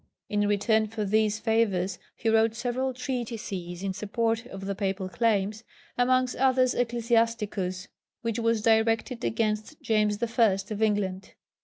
In return for these favours he wrote several treatises in support of the Papal claims, amongst others Ecclesiasticus, which was directed against James I. of England.